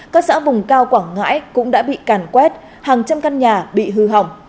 các xã vùng cao quảng ngãi cũng đã bị càn quét hàng trăm căn nhà bị hư hỏng